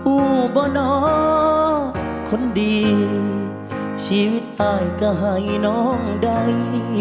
อู้บ่น้อคนดีชีวิตอายกะให้น้องใด